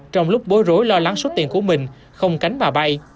trong lúc bối rối lo lắng số tiền của mình không cánh mà bay